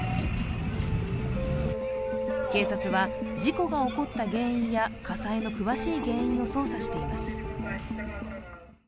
警察は事故が起こった原因や火災の詳しい原因を捜査しています。